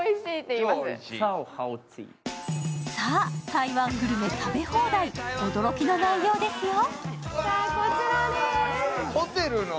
台湾グルメ食べ放題、驚きの内容ですよ。